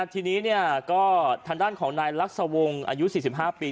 ทีนี้ก็ทางด้านของนายลักษวงศ์อายุ๔๕ปี